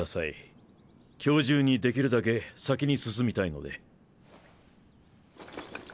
今日中にできるだけ先に進みたいので。